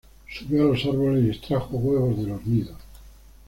Subió a los árboles y extrajo huevos de los nidos.